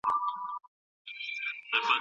وزیر اکبر خان د کابل د سردارانو لارښوونې ومنلې.